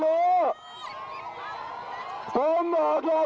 ก็ต้องช่วยกันอดรู้